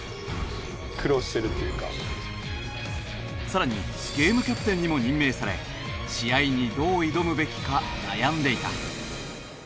さらにゲームキャプテンにも任命され試合にどう挑むべきか悩んでいた。